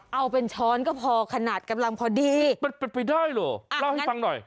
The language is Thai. เอาเป็นช้อนก็พอขนาดกำลังพอดีมันเป็นไปได้เหรอเล่าให้ฟังหน่อย